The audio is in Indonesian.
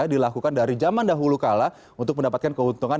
dilakukan dari zaman dahulu kala untuk mendapatkan keuntungan